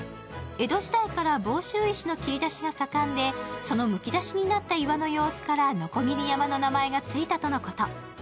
江戸時代から房州石の切り出しが盛んで、そのむき出しになった岩の様子から鋸山の名前がついたとのこと。